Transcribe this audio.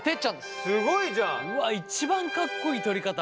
すごいじゃん。一番かっこいい取り方。